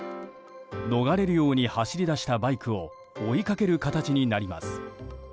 逃れるように走り出したバイクを追いかける形になります。